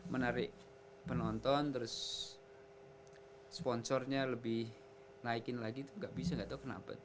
menarik penonton terus sponsornya lebih naikin lagi tuh gak bisa gak tau kenapa tuh